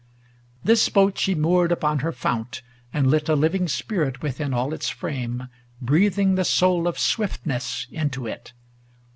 XXXIV This boat she moored upon her fount, and lit A living spirit within all its frame. Breathing the soul of swiftness into it.